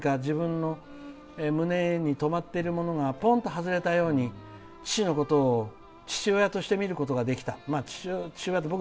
その時に何か自分の胸にとまっているものがぽんと外れたように父のことを父親として見ることができた。